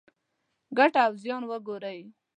ګټه او زیان وګورئ.